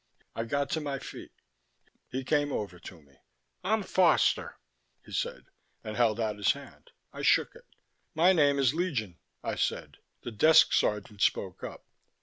I got to my feet. He came over to me. "I'm Foster," he said, and held out his hand. I shook it. "My name is Legion," I said. The desk sergeant spoke up.